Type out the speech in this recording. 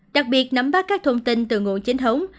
đặc biệt nắm bắt các thông tin từ ngộ chính thống